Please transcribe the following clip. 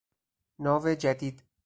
ناو جدید